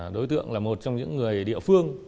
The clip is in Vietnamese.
đối tượng là một trong những người địa phương